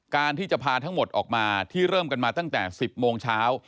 การที่จะพาทั้งหมดออกมาที่เริ่มกันมาตั้งแต่๑๐โมงเช้า